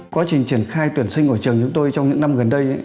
quá trình triển khai tuyển sinh của trường chúng tôi trong những năm gần đây